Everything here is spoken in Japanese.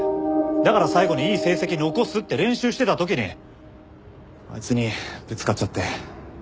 だから最後にいい成績残すって練習してた時にあいつにぶつかっちゃって。